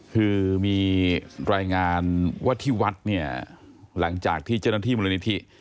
คือมีรายงานว่าที่วัดเนี่ยหลังจากที่เจ้าหน้าที่มูลนิธิ